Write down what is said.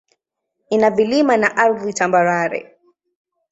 Ina vilima na ardhi tambarare.